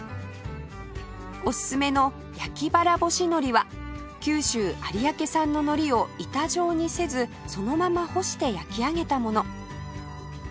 おすすめの焼ばらぼし海苔は九州有明産の海苔を板状にせずそのまま干して焼き上げたもの